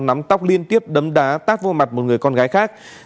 nắm tóc liên tiếp đấm đá tác vô mặt một người con gái khác